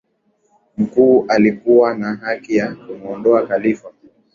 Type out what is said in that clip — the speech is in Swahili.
mkuu ilikuwa na haki ya kumwondoa Khalifa